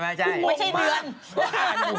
ไม่ใช่เพื่อน